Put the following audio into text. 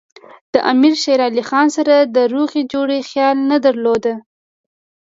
د امیر شېر علي خان سره د روغې جوړې خیال نه درلود.